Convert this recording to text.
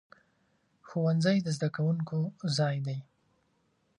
ښوونځی د زده کوونکو ځای دی.